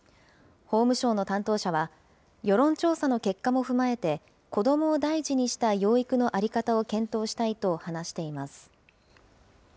法務省の担当者は、世論調査の結果も踏まえて、子どもを第一にした養育の在り方を検討したいと話しています。